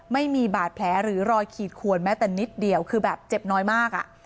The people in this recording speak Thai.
ไม่มีบาดแผลหรือรอยขีดขวนแม้แต่นิดเดียวคือแบบเจ็บน้อยมากอ่ะ